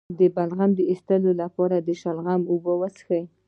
د بلغم د ایستلو لپاره د شلغم اوبه وڅښئ